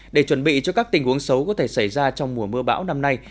để chuẩn bị cho các tình huống xấu có thể xảy ra trong mùa mưa bão năm nay